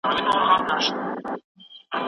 دعا لکه چي نه مني یزدان څه به کوو؟